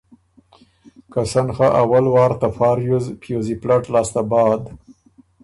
که سن خه اول وار ته فا ریوز پیوزی پلټ لاسته بعد